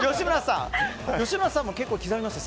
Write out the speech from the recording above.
吉村さんも結構、刻みましたね。